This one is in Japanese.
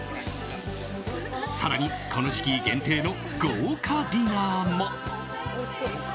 更に、この時期限定の豪華ディナーも。